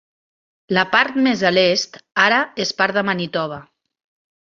La part més a l'est ara és part de Manitoba.